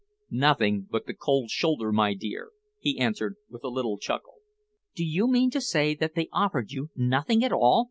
"Nothing but the cold shoulder, my dear," he answered with a little chuckle. "Do you mean to say that they offered you nothing at all?"